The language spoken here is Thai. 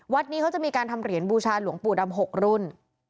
วัดนี้เขาจะมีการทำเหรียญบูชาหลวงปู่ดำ๖รุ่น